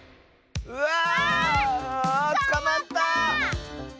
うわつかまった！